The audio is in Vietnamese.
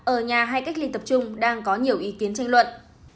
ở nhà hay cách ly tập trung đang có nhiều ý kiến tranh luận